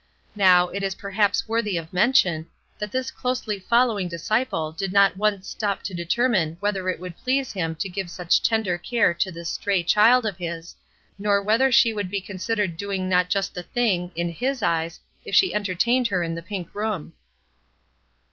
Now, it is perhaps worthy of mention, that this closely following disciple did not once stop to determine whether it would please Him to give such tender care to this stray child of His, or whether she would be considered doing not just the thing, in His eyes, if she entertained her in the pink room.